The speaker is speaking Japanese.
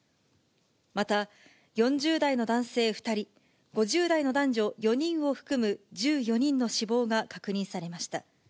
また、４０代の男性２人、５０代の男女４人を含む、１４人の死亡が確認されました。